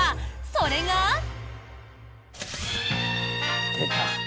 それが。出た。